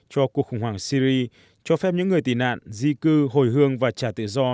cho cuộc khủng hoảng syri cho phép những người tị nạn di cư hồi hương và trả tự do